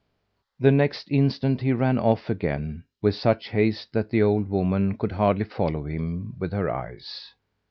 The next instant he ran off again with such haste that the old woman could hardly follow him with her eyes.